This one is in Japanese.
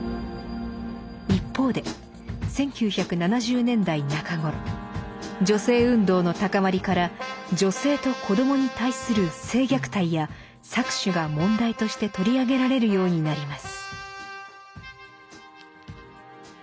一方で１９７０年代中ごろ女性運動の高まりから女性と子供に対する性虐待や搾取が問題として取り上げられるようになります。